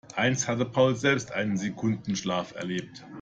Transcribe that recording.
Einst hatte Paul selbst einen Sekundenschlaf erlebt.